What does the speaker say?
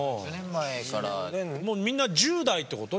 みんな１０代ってこと？